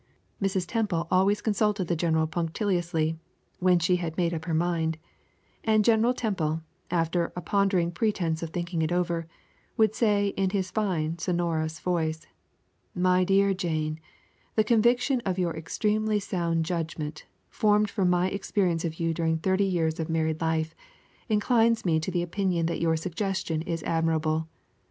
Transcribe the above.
Mrs. Temple always consulted the general punctiliously when she had made up her mind and General Temple, after a ponderous pretense of thinking it over, would say in his fine, sonorous voice: "My dear Jane, the conviction of your extremely sound judgment, formed from my experience of you during thirty years of married life, inclines me to the opinion that your suggestion is admirable.